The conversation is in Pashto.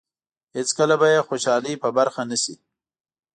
هېڅکله به یې خوشالۍ په برخه نه شي.